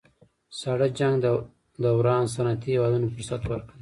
ساړه جنګ دوران صنعتي هېوادونو فرصت ورکړ